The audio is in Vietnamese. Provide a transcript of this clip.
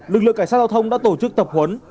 lực lượng cảnh sát giao thông đã tổ chức tập huấn